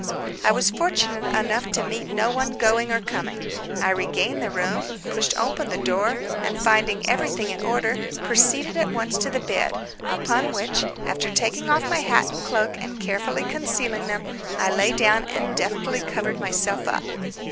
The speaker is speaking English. I was fortunate enough to meet no one, going or coming. I regained the room, pushed open the door, and finding everything in order, proceeded at once to the bed, upon which, after taking off my hat and cloak and carefully concealing them, I lay down and deftly covered myself up.